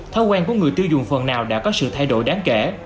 thói quen của người tiêu dùng phần nào đã có sự thay đổi đáng kể